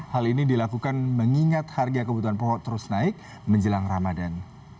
hal ini dilakukan mengingat harga kebutuhan pokok terus naik menjelang ramadan